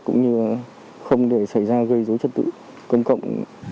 cũng như không để xảy ra gây dối chất tử công cộng